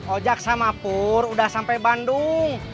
ojak sama pur udah sampai bandung